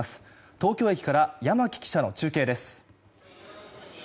東京駅から山木記者の中継です。